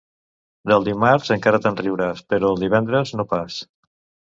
Del dimarts encara te'n riuràs, però del divendres, no pas.